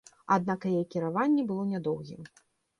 Аднак яе кіраванне было нядоўгім.